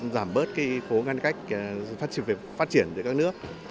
giảm bớt phố ngăn cách phát triển của các nước